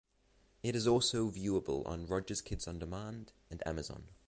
It is also viewable on Rogers Kids On Demand and Amazon.